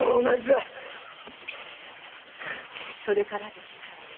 〕それからでした。